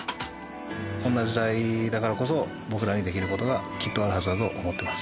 こんな時代だからこそ、僕らにできることがきっとあるはずだと思っています。